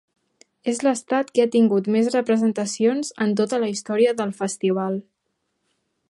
És l'Estat que ha tingut més representacions en tota la història del festival.